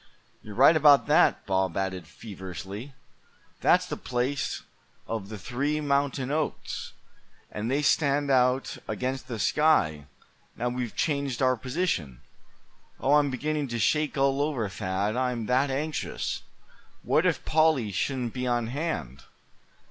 "You're right about that," Bob added, feverishly; "that's the place of the three mountain oaks; and they stand out against the sky, now we've changed our position. Oh! I'm beginning to shake all over, Thad, I'm that anxious. What if Polly shouldn't be on hand?